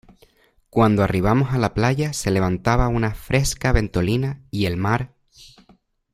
cuando arribamos a la playa, se levantaba una fresca ventolina , y el mar